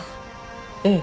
ええ。